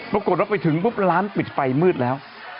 ปรากฏว่าไปถึงปุ๊บร้านปิดไฟมืดแล้ว